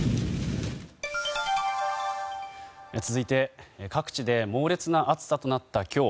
続いて、各地で猛烈な暑さとなった今日